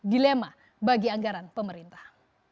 dilema bagi anggaran pemerintah